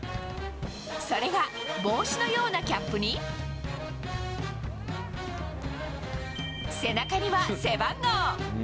それが、帽子のようなキャップに背中には背番号。